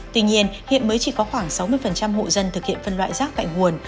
tuy nhiên hiện mới chỉ có khoảng sáu mươi hộ dân thực hiện phân loại rác tại nguồn